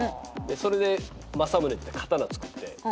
それで正宗って刀作って。